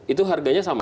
itu harganya sama